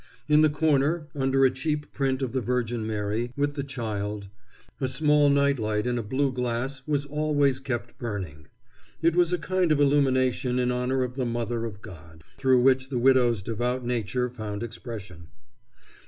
In the corner, under a cheap print of the Virgin Mary with the Child, a small night light in a blue glass was always kept burning. It was a kind of illumination in honor of the Mother of God, through which the widow's devout nature found expression.